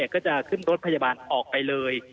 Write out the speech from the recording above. ก็จะขึ้นรถพยาบาลออกไปเลย